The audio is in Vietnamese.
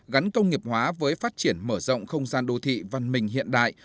gắn công nghiệp hóa với phát triển mở rộng không gian đô thị văn minh hiện đại